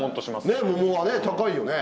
ねっ桃はね高いよね。